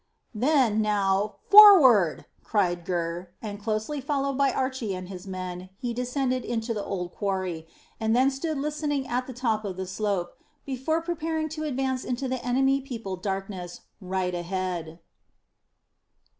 "Then, now, forward!" cried Gurr; and, closely followed by Archy and his men, he descended into the old quarry, and then stood listening at the top of the slope, before preparing to advance into the enemy peopled darkness right ahead.